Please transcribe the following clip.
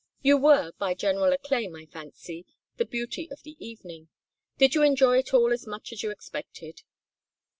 You were, by general acclaim, I fancy, the beauty of the evening. Did you enjoy it all as much as you expected?"